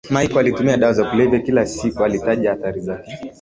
Michael aliyetumia dawa za kulevya kila siku alitaja athari zake